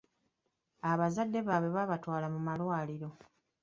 Bazadde baabwe babaatwala mu malwaliro.